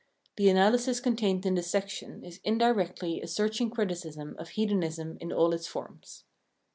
The analysis contained in this section is indirectly a searching criticism of Hedonism in all its forms.